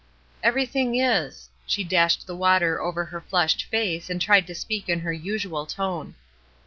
'^ Everything is." She dashed the water over her flushed face and tried to speak in her usual tone.